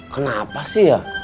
kenapa sih ya